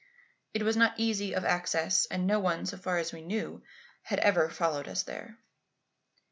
It was not easy of access, and no one, so far as we knew, had ever followed us there.